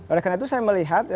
oleh karena itu saya melihat